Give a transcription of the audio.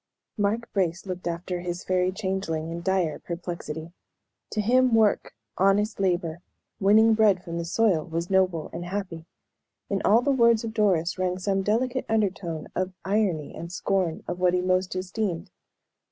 Mark Brace looked after his Fairy Changeling in dire perplexity. To him work, honest labor winning bread from the soil, was noble and happy; in all the words of Doris rang some delicate undertone of irony and scorn, of what he most esteemed.